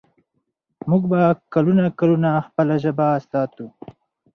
موږ به کلونه کلونه خپله ژبه ساتو.